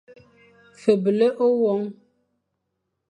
Feble ôwôn.